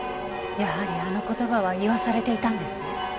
やはりあの言葉は言わされていたんですね。